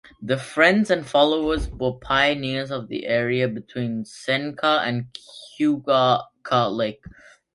The Friend and followers were pioneers of the area between Seneca and Keuka lakes.